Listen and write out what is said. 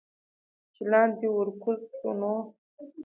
چې لاندې ورکوز شو نو